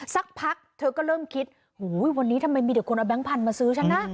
สักพักเธอก็เริ่มคิดวันนี้ทำไมมีแต่คนเอาแก๊งพันธุ์มาซื้อฉันนะ